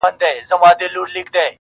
o کلونه وروسته هم کيسه ژوندۍ وي,